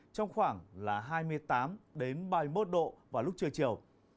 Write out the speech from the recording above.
trong khoảng là hai mươi tám ba mươi một độ vào lúc trưa chiều